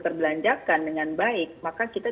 terbelanjakan dengan baik maka kita